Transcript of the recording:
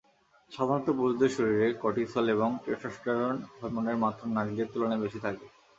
সাধারণত পুরুষদের শরীরে কর্টিসোল এবং টেস্টোস্টেরোন হরমোনের মাত্রা নারীদের তুলনায় বেশি থাকে।